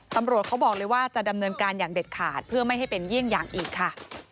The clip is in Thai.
ตำรวจเขาบอกเลยว่าจะดำเนินการอย่างเด็ดขาดเพื่อไม่ให้เป็นเยี่ยงอย่างอีกค่ะ